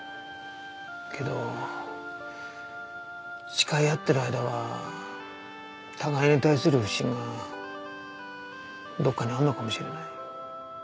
けど誓い合ってる間は互いに対する不信がどこかにあるのかもしれない。